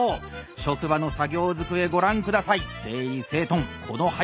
職場の作業机ご覧下さい。